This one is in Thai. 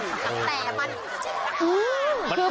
แต่มันอยู่ที่ไหน